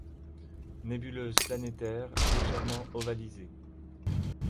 Nébuleuse planétaire légèrement ovalisée.